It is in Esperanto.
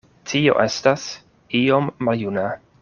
Tio estas iom maljuna.